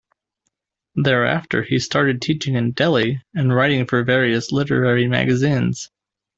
Thereafter he started teaching in Delhi and writing for various literary magazines.